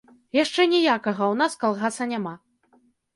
Яшчэ ніякага ў нас калгаса няма.